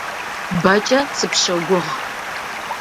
Бэкӏэ сыпщогугъ.